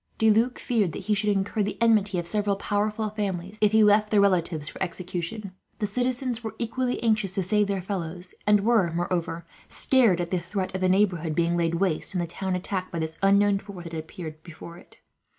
De Luc feared that he should incur the enmity of several powerful families, if he left their relatives for execution. The citizens were equally anxious to save their fellows; and were, moreover, scared at the threat of the neighbourhood being laid waste, and the town attacked, by this unknown force that had appeared before it.